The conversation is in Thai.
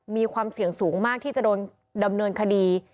มีความเสี่ยงสูงมากที่จะโดนดำเนินคดี